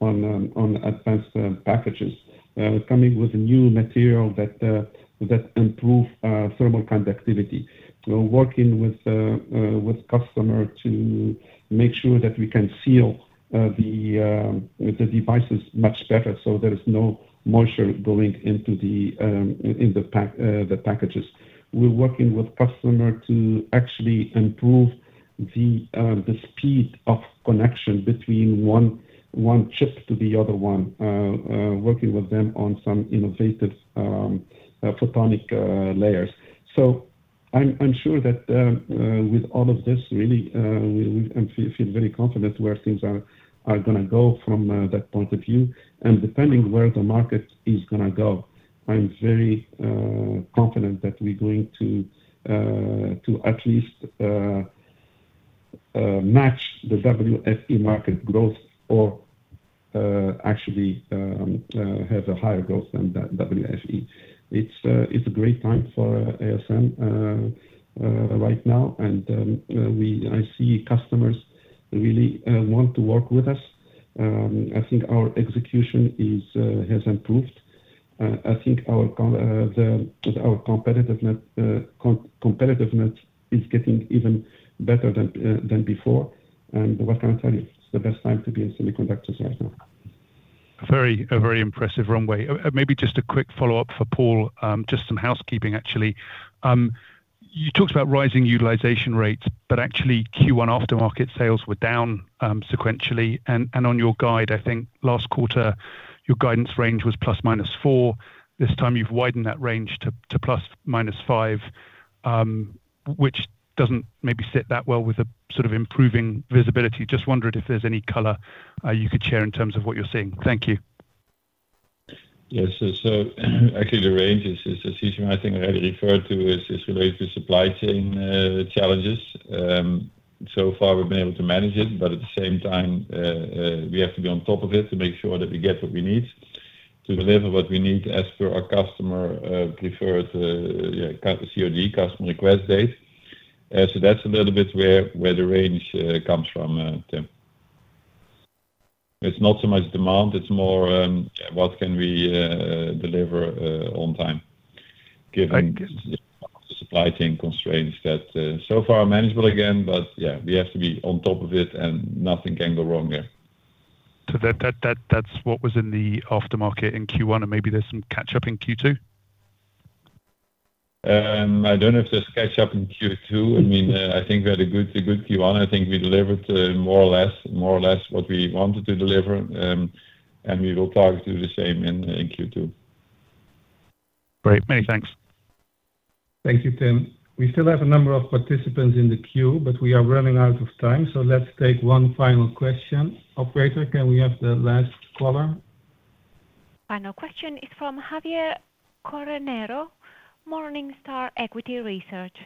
on advanced packages. We're coming with a new material that improves thermal conductivity. We're working with customer to make sure that we can seal the devices much better so there is no moisture going in the packages. We're working with customer to actually improve the speed of connection between one chip to the other one, working with them on some innovative photonic layers. I'm sure that with all of this really, I feel very confident where things are going to go from that point of view. Depending where the market is going to go, I'm very confident that we're going to at least match the WFE market growth or actually have a higher growth than WFE. It's a great time for ASM right now, and I see customers really want to work with us. I think our execution has improved. I think our competitiveness is getting even better than before. What can I tell you? It's the best time to be in semiconductors right now. A very impressive runway. Maybe just a quick follow-up for Paul, just some housekeeping, actually. You talked about rising utilization rates, but actually Q1 aftermarket sales were down sequentially. On your guide, I think last quarter, your guidance range was ±4%. This time you've widened that range to ±5%, which doesn't maybe sit that well with the sort of improving visibility. Just wondered if there's any color you could share in terms of what you're seeing. Thank you. Yes. Actually the range is the one I think I referred to is related to supply chain challenges. So far, we've been able to manage it, but at the same time, we have to be on top of it to make sure that we get what we need, to deliver what we need as per our customers preferred, CRD, customer request date. That's a little bit where the range comes from, Tim. It's not so much demand, it's more what can we deliver on time given the supply chain constraints that so far are manageable again. Yeah, we have to be on top of it and nothing can go wrong there. That's what was in the aftermarket in Q1, and maybe there's some catch-up in Q2? I don't know if there's catch-up in Q2. I think we had a good Q1. I think we delivered more or less what we wanted to deliver, and we will probably do the same in Q2. Great. Many thanks. Thank you, Tim. We still have a number of participants in the queue, but we are running out of time, so let's take one final question. Operator, can we have the last caller? Final question is from Javier Correonero, Morningstar Equity Research.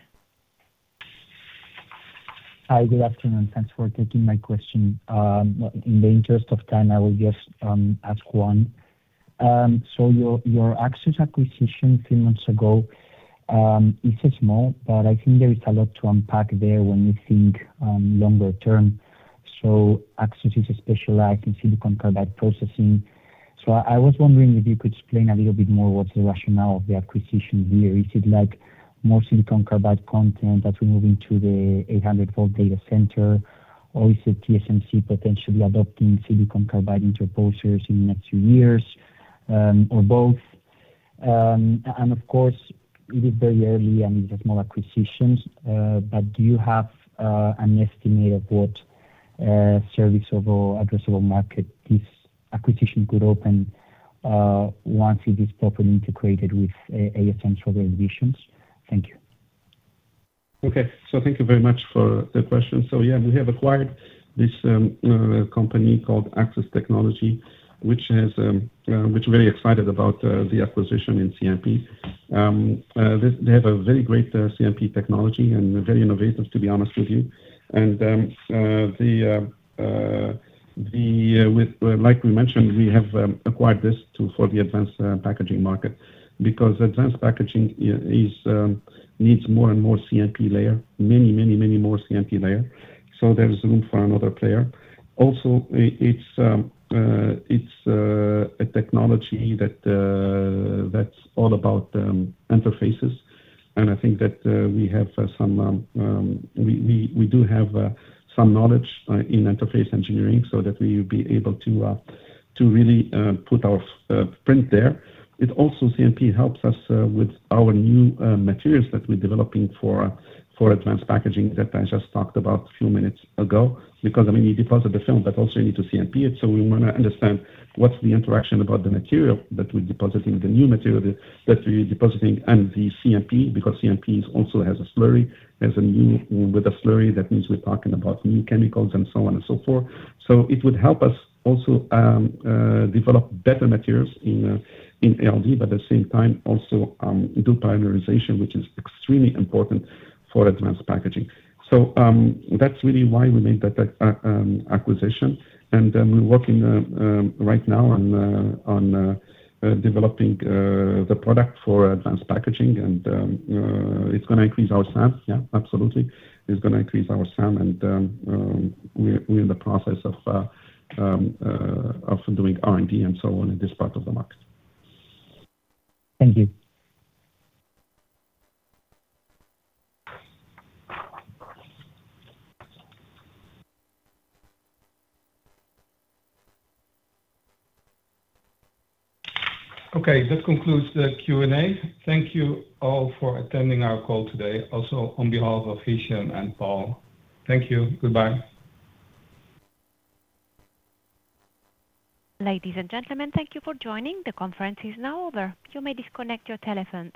Hi. Good afternoon. Thanks for taking my question. In the interest of time, I will just ask one. Your Axus acquisition a few months ago, it's small, but I think there is a lot to unpack there when you think longer term. Axus is specialized in silicon carbide processing. I was wondering if you could explain a little bit more what's the rationale of the acquisition here. Is it more silicon carbide content as we move into the 800 volt data center? Or is it TSMC potentially adopting silicon carbide interposers in the next few years, or both? And of course, it is very early and it's a small acquisition, but do you have an estimate of what serviceable, addressable market this acquisition could open once it is properly integrated with ASM's other additions? Thank you. Okay. Thank you very much for the question. Yeah, we have acquired this company called Axus Technology, which we're very excited about the acquisition in CMP. They have a very great CMP technology and very innovative, to be honest with you. Like we mentioned, we have acquired this for the advanced packaging market, because advanced packaging needs more and more CMP layer. Many more CMP layer. There's room for another player. Also, it's a technology that's all about interfaces, and I think that we do have some knowledge in interface engineering, so that we will be able to really put our footprint there. Also, CMP helps us with our new materials that we're developing for advanced packaging that I just talked about a few minutes ago. Because, I mean, you deposit the film, but also you need to CMP it. We want to understand what's the interaction about the material that we're depositing, the new material that we're depositing, and the CMP, because CMP also has a slurry. With a slurry, that means we're talking about new chemicals and so on and so forth. That's really why we made that acquisition. We're working right now on developing the product for advanced packaging. It's going to increase our SAM, yeah, absolutely. It's going to increase our SAM, and we're in the process of doing R&D and so on in this part of the market. Thank you. Okay. That concludes the Q&A. Thank you all for attending our call today. Also, on behalf of Hichem and Paul, thank you. Goodbye. Ladies and gentlemen, thank you for joining. The conference is now over. You may disconnect your telephones.